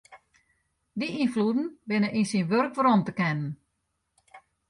Dy ynfloeden binne yn syn wurk werom te kennen.